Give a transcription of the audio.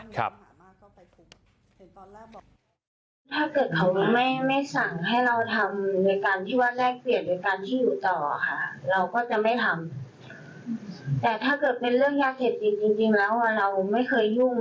เขาจะเหมือนกับว่าคล้ายว่าให้เราเลือกเองว่าเราจะเอาสก๊อตเทปดูผลตีหัวเราเอง